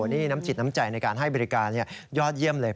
นี่น้ำจิตน้ำใจในการให้บริการยอดเยี่ยมเลย